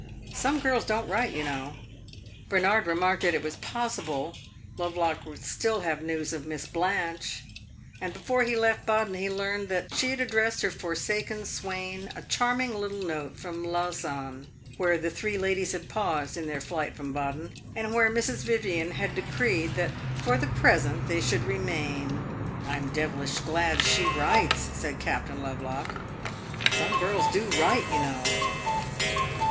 Some girls don't write, you know." Bernard remarked that it was possible Lovelock would still have news of Miss Blanche; and before he left Baden he learned that she had addressed her forsaken swain a charming little note from Lausanne, where the three ladies had paused in their flight from Baden, and where Mrs. Vivian had decreed that for the present they should remain. "I 'm devilish glad she writes," said Captain Lovelock; "some girls do write, you know."